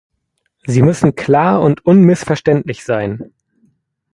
Sie müssen klar und unmissverständlich sein.